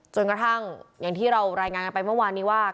จนกระทั่งอย่างที่เรารายงานกันไปเมื่อวานนี้ว่า